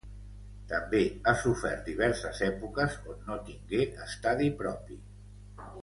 També ha sofert diverses èpoques on no tingué estadi propi.